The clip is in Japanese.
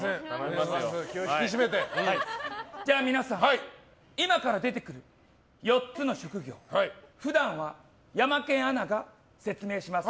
じゃあ皆さん今から出てくる４つの職業普段はヤマケンアナが説明します。